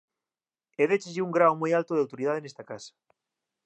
E décheslle un grao moi alto de autoridade nesta casa...